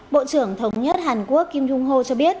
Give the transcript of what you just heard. bộ trưởng thống nhất hàn quốc kim jong ho cho biết